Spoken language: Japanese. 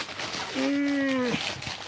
うん！